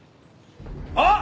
あっ！